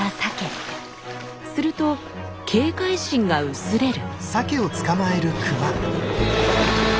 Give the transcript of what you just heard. すると警戒心が薄れる。